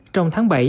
trong tháng bảy